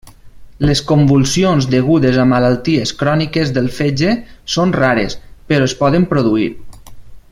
Les convulsions degudes a malalties cròniques del fetge són rares, però es poden produir.